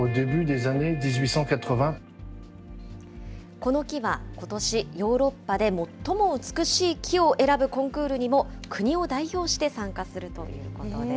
この木はことし、ヨーロッパで最も美しい木を選ぶコンクールにも、国を代表して参加するということです。